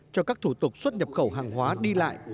cho các thủ tục xuất nhập khẩu hàng hóa đi lại